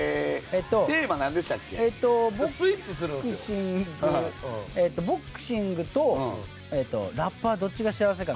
ボクシング「ボクシングとラッパーどっちが幸せか？」